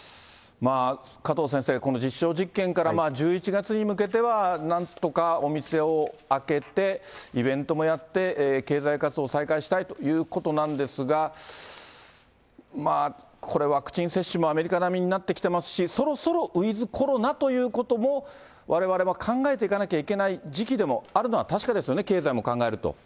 まあ、加藤先生、この実証実験から１１月に向けては、なんとかお店を開けて、イベントもやって、経済活動再開したいということなんですが、これ、ワクチン接種もアメリカ並みになってきてますし、そろそろウィズコロナということもわれわれは考えていかなきゃいけない時期でもあるのは確かですよね、経済も考えると。